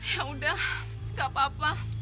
ya udah gak apa apa